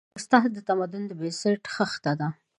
استاد د تمدن د بنسټ خښته ده.